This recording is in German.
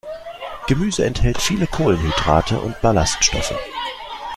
Gemüse enthält viele Kohlenhydrate und Ballaststoffe.